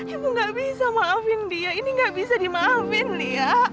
aku gak bisa maafin dia ini gak bisa dimaafin dia